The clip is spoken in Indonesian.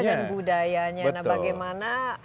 dan budayanya nah bagaimana